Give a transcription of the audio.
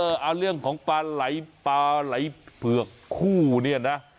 น่ารักเออเอาเรื่องของปลาไหลปลาไหลเผือกคู่เนี้ยนะ